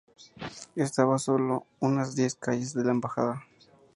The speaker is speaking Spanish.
Estaba a sólo unas diez calles de la Embajada.